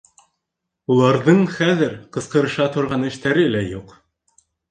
Уларҙың хәҙер ҡысҡырыша торған эштәре лә юҡ.